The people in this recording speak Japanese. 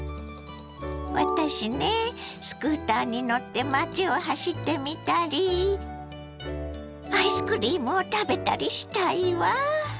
私ねスクーターに乗って街を走ってみたりアイスクリームを食べたりしたいわ。